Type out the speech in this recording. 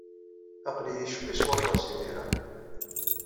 Aql-iyi ccwi s waṭas imir-a.